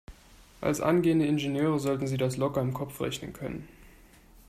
Als angehende Ingenieure sollten Sie das locker im Kopf rechnen können.